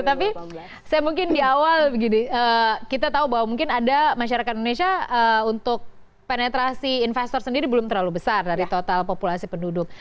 tapi saya mungkin di awal begini kita tahu bahwa mungkin ada masyarakat indonesia untuk penetrasi investor sendiri belum terlalu besar dari total populasi penduduk